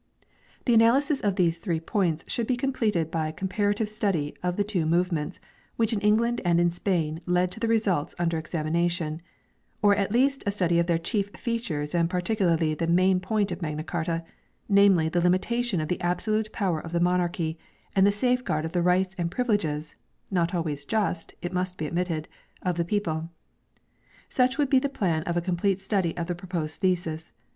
The analysisof these three points should be completed by a comparative study of the two movements, which in England and in Spain led to the results under examina tion, or at least a study of their chief features and par ticularly the main point of Magna Carta, namely the limi tation of the absolute power of the monarchy, and the safeguard of the rights and privileges (not always just, it must be admitted) of the people. Such would be the plan of a complete study of the proposed thesis.